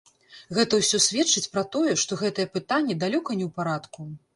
Гэта ўсё сведчыць пра тое, што гэтае пытанне далёка не ў парадку.